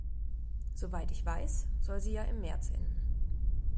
Soweit ich weiß, soll sie ja im März enden.